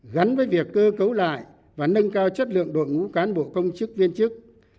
gắn với việc cơ cấu lại và nâng cao chất lượng đội ngũ cán bộ công chức viên chức